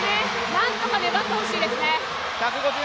なんとか粘ってほしいですね。